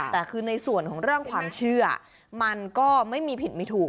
แต่คือในส่วนของเรื่องความเชื่อมันก็ไม่มีผิดไม่ถูก